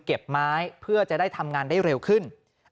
เก็บไม้เพื่อจะได้ทำงานได้เร็วขึ้น